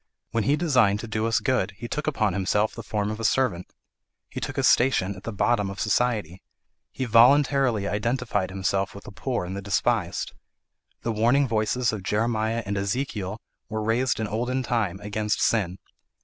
When he designed to do us good, he took upon himself the form of a servant. He took his station at the bottom of society. He voluntarily identified himself with the poor and the despised. The warning voices of Jeremiah and Ezekiel were raised in olden time, against sin.